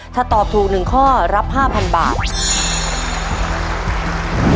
ถ้าตอบถูก๑ข้อรับ๕๐๐๐บาท